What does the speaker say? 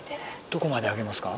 どこまで上げますか？